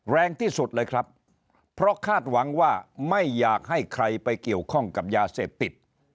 แรงที่สุดเลยครับเพราะคาดหวังว่าไม่อยากให้ใครไปเกี่ยวข้องกับยาเสพติด